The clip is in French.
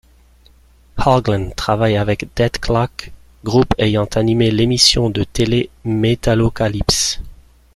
Hoglan travaille avec Dethklok, groupe ayant animé l'émission de télé Metalocalypse.